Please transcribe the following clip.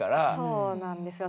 そうなんですよね。